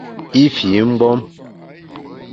I fii mgbom.